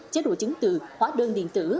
chế độ chứng tự hóa đơn điện tử